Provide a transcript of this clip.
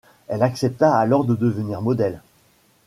Elle accepta alors de devenir modèle.